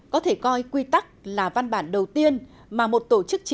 có thể coi quy tắc là văn bản đầu tiên mà một tổ chức chính trị xã hội